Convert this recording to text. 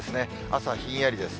朝ひんやりです。